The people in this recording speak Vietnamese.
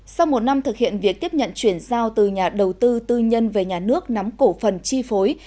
sau một năm thực hiện việc tiếp nhận chuyển giao từ nhà đầu tư tư nhân về nhà nước nắm cổ phần chi phối